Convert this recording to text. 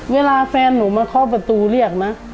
เวลาแฟนหนูมาเคาะประตูเรียกนะ